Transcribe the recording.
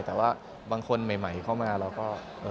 แต่ว่าบางคนใหม่เข้ามาเราก็